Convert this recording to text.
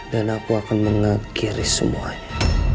dan aku akan mengakhiri semuanya